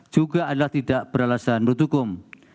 juga adalah tidak beralasan menurut hukum